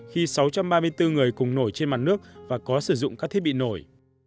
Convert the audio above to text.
khi sáu trăm ba mươi bốn người cùng nổi trên mặt nước và có sử dụng các thiết bị nổi